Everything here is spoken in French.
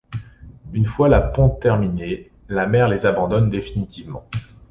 Une fois la ponte terminée, la mère les abandonne définitivement.